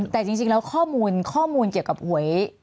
แต่จริงแล้วข้อมูลเกี่ยวกับหวย